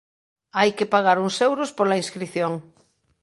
Hai que pagar uns euros pola inscrición